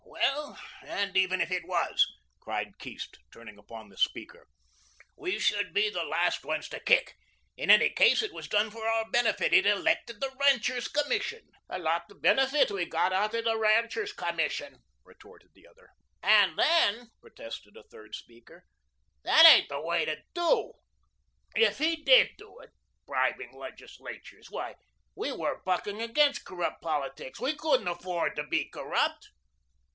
"Well, and even if it was," cried Keast, turning upon the speaker, "we should be the last ones to kick. In any case, it was done for our benefit. It elected the Ranchers' Commission." "A lot of benefit we got out of the Ranchers' Commission," retorted the other. "And then," protested a third speaker, "that ain't the way to do if he DID do it bribing legislatures. Why, we were bucking against corrupt politics. We couldn't afford to be corrupt."